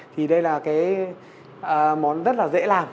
thì đây là cái món rất là dễ làm